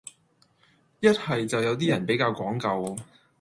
一係就有啲人比較講究